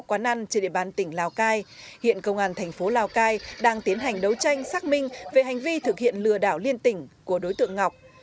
quán ăn trên địa bàn tỉnh lào cai hiện công an thành phố lào cai đang tiến hành đấu tranh xác minh về hành vi thực hiện lừa đảo liên tỉnh của đối tượng ngọc